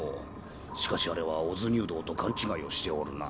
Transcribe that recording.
しかしあれはオズにゅうどうと勘違いをしておるな。